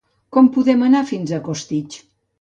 Com podem anar fins a Costitx?